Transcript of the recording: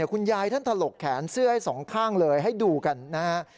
คุณยายท่านถลกแขนเสื้อให้สองข้างเลยให้ดูกันนะฮะ